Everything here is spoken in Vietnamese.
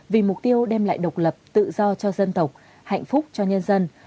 vì mục tiêu đem lại độc lập tự do cho dân tộc hạnh phúc cho nhân dân